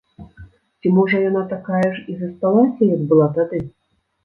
Ці можа яна такая ж і засталася, як была тады?